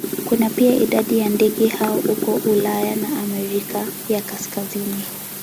Kuna pia idadi ya ndege hao huko Ulaya na Amerika ya Kaskazini.